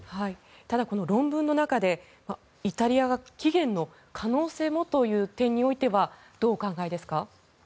ただ、この論文の中でイタリアが起源の可能性もという点にはどうお考えですか。